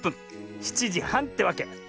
７じはんってわけ。